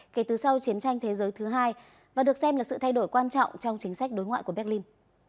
kể từ sau chiến tranh thế giới thứ hai và được xem là sự thay đổi quan trọng trong chính sách đối ngoại của berlin